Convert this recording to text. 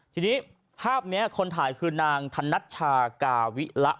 ทีนี้ภาพนี้คนถ่ายคือนางธนัชชากาวิระ